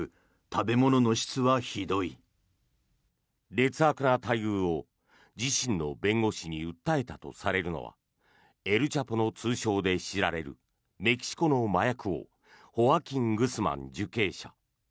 劣悪な待遇を自身の弁護士に訴えたとされるのはエル・チャポの通称で知られるメキシコの麻薬王ホアキン・グスマン受刑者。